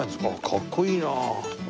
かっこいいな。